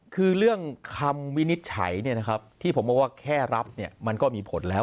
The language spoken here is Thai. คือเรื่องคำวินิจฉัยที่ผมบอกว่าแค่รับมันก็มีผลแล้ว